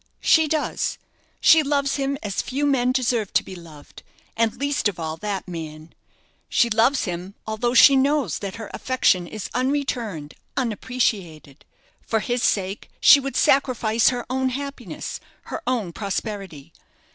"She does. She loves him as few men deserve to be loved and least of all that man. She loves him, although she knows that her affection is unreturned, unappreciated. For his sake she would sacrifice her own happiness, her own prosperity.